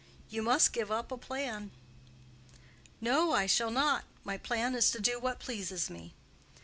You must give up a plan." "No, I shall not. My plan is to do what pleases me."